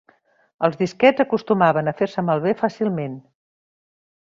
Els disquets acostumaven a fer-se malbé fàcilment.